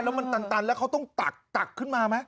แล้วมันตันแล้วเขาต้องตักตักขึ้นมาไหม